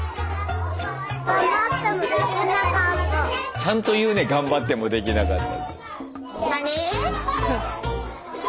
ちゃんと言うね「頑張ってもできなかった」。